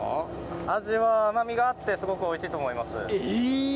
味は甘みがあってスゴくおいしいと思いますえっ！？